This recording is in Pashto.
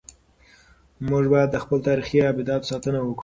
موږ باید د خپلو تاریخي ابداتو ساتنه وکړو.